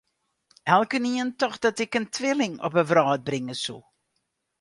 Elkenien tocht dat ik in twilling op 'e wrâld bringe soe.